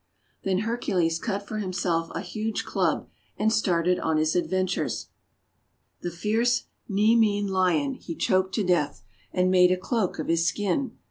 Then Hercules cut for himself a huge club, and started on his adventures. The fierce Nemean Lion he choked to death, and made a cloak of his skin.